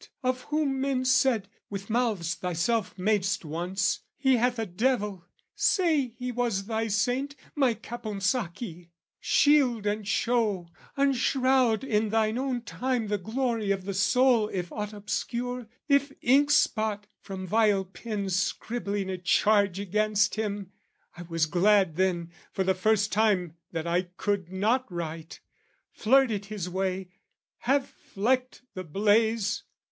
Of whom men said, with mouths Thyself mad'st once, "He hath a devil" say he was Thy saint, My Caponsacchi! Shield and show unshroud In Thine own time the glory of the soul If aught obscure, if ink spot, from vile pens Scribbling a charge against him (I was glad Then, for the first time, that I could not write) Flirted his way, have flecked the blaze!